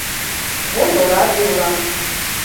Вот ораде улам!